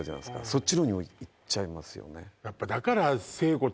そっちの方にいっちゃいますよね